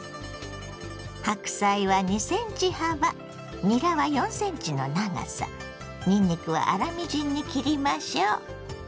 白菜は２ｃｍ幅にらは４ｃｍの長さにんにくは粗みじんに切りましょ。